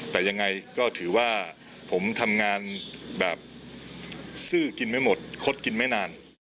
แต่ยังไงก็ถือว่าผมทำงานแบบซื่อกินไม่หมดคดกินไม่นาน